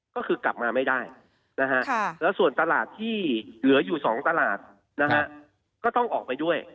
ก็คือกลับมาไม่ได้นะฮะแล้วส่วนตลาดที่เหลืออยู่๒ตลาดนะฮะก็ต้องออกไปด้วย